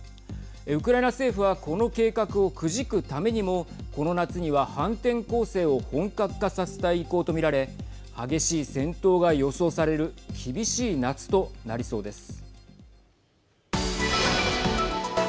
ウクライナ政府はこの計画を、くじくためにもこの夏には反転攻勢を本格化させたい意向と見られ激しい戦闘が予想される厳しい夏となりそうです。